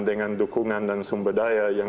dengan dukungan dan sumber daya yang